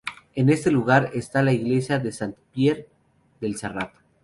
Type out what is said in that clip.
En este lugar está la iglesia de Sant Pere del Serrat.